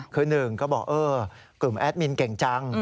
คือหนึ่งก็บอกเออกลุ่มแอดมินเก่งจัง